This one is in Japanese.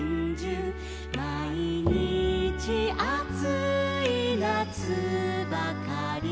「まいにちあついなつばかり」